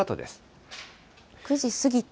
９時過ぎて。